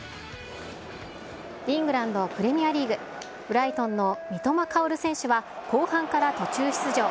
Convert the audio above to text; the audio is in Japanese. イングランドプレミアリーグ・ブライトンの三笘薫選手は、後半から途中出場。